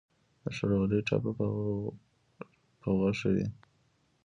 د ښاروالۍ ټاپه په غوښه وي؟